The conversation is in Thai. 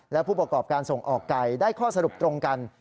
และผู้ประกอบการส่งออกไก่ได้ข้อสรุปตรงกัน